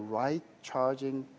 kita harus memilih